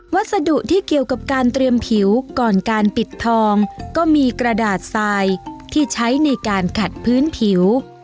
วัสดุที่เกี่ยวกับการเตรียมผิวก่อนการปิดทองก็มีกระดาษทรายที่ใช้ในการขัดพื้นผิว